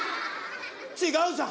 違うじゃん。